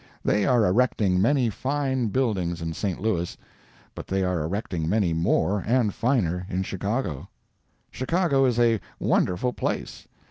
They are erecting many fine buildings in St. Louis, but they are erecting many more and finer in Chicago. Chicago is a wonderful place.